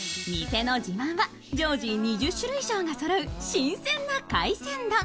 店の自慢は、常時２０種類以上がそろう新鮮な海鮮丼。